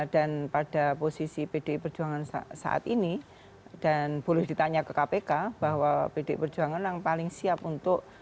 dan pada posisi pdi perjuangan saat ini dan boleh ditanya ke kpk bahwa pdi perjuangan yang paling siap untuk